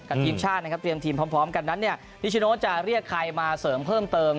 ทีมชาตินะครับเตรียมทีมพร้อมกันนั้นเนี่ยนิชโนจะเรียกใครมาเสริมเพิ่มเติม